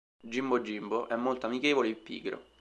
Jimbo- Jimbo è molto amichevole e pigro.